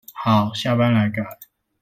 好，下班來改